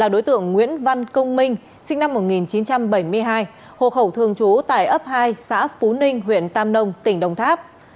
đối tượng nguyễn văn công minh sinh năm một nghìn chín trăm bảy mươi hai hộ khẩu thường trú tại ấp hai xã phú ninh huyện tam nông tỉnh đồng tháp